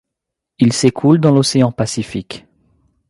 Il s’écoule dans l’Océan Pacifique.